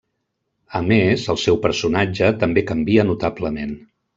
A més, el seu personatge també canvia notablement.